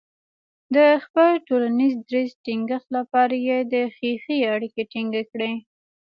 د خپل ټولنیز دریځ ټینګښت لپاره یې د خیښۍ اړیکې ټینګې کړې.